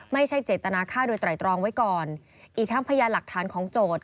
ไม่ใช่เจตนาฆ่าโดยไตรตรองไว้ก่อนอีกทั้งพยานหลักฐานของโจทย์